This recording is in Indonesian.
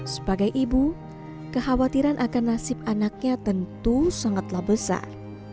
sebagai ibu kekhawatiran akan nasib anaknya tentu sangatlah besar